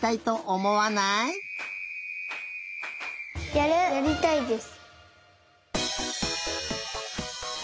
やりたいです！